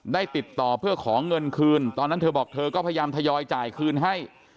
ได้ติดต่อเพื่อขอเงินคืนตอนนั้นเธอบอกเธอก็พยายามทยอยจ่ายคืนให้